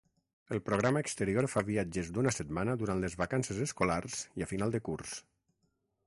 El programa exterior fa viatges d'una setmana durant les vacances escolars i a final de curs.